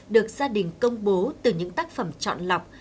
được gia đình công bố từ những tác phẩm chọn lọc